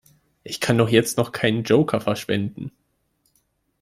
Ich kann doch jetzt noch keinen Joker verschwenden!